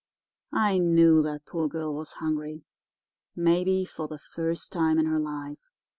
I knew that poor girl was hungry—maybe for the first time in her life.